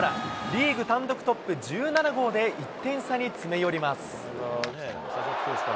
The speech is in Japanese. リーグ単独トップ１７号で１点差に詰め寄ります。